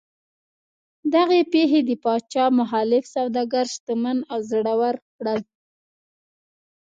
دغې پېښې د پاچا مخالف سوداګر شتمن او زړور کړل.